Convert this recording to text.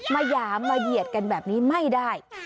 หยามมาเหยียดกันแบบนี้ไม่ได้